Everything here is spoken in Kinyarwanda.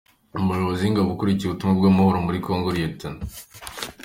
Umuyobozi w’ingabo ukuriye ubutumwa bw’amahoro muri Congo Lt.